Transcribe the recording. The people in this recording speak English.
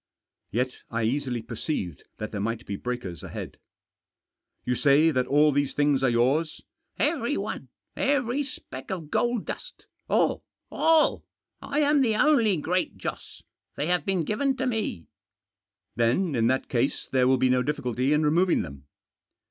Yet I easily perceived that there might be breakers ahead. " You say that all these things are yours ?"" Every one— every speck of gold dust. All ! all ! I am the only Great Joss ; they have been given to me." Digitized by THE OFFERINGS OF THE FAITHFUL. 253 " Then, in that case, there will be no difficulty in removing them."